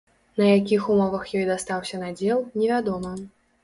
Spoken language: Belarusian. На якіх умовах ёй дастаўся надзел, невядома.